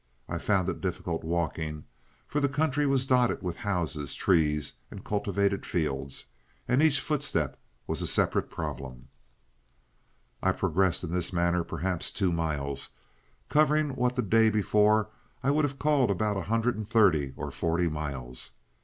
I found it difficult walking, for the country was dotted with houses, trees, and cultivated fields, and each footstep was a separate problem. "I progressed in this manner perhaps two miles, covering what the day before I would have called about a hundred and thirty or forty miles.